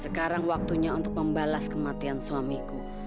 sekarang waktunya untuk membalas kematian suamiku